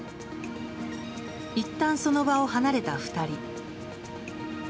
いったん、その場を離れた２人。